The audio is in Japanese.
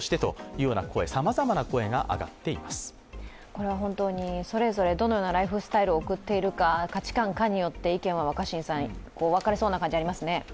これは本当にそれぞれ、どのようなライフスタイルを送っているか価値観かによって、意見は分かれそうな感じ、ありますね。